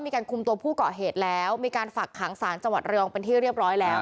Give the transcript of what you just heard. มีการคุมตัวผู้เกาะเหตุแล้วมีการฝักขังสารจังหวัดระยองเป็นที่เรียบร้อยแล้ว